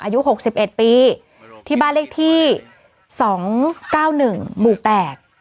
หกสิบเอ็ดปีที่บ้านเลขที่สองเก้าหนึ่งหมู่แปด